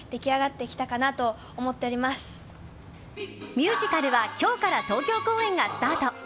ミュージカルは今日から東京公演がスタート。